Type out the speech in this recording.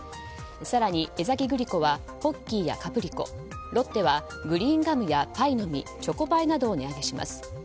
更に江崎グリコはポッキーやカプリコロッテはグリーンガムやパイの実チョコパイなどを値上げします。